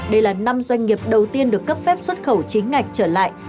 đây là năm doanh nghiệp đầu tiên được cấp phép xuất khẩu chính ngạch trở lại